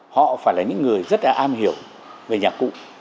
họ phải là những người rất là am hiểu về nhạc cụ